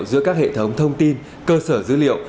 giữa các hệ thống thông tin cơ sở dữ liệu